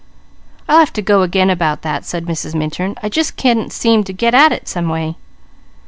"I'll have to go again about that," said Mrs. Minturn. "I just couldn't seem to get at it, someway."